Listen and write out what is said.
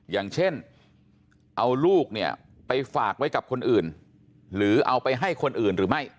อย่างเช่นเอาลูกเนี่ยไปฝากไว้กับคนอื่นหรือเอาไปให้คนอื่นหรือไม่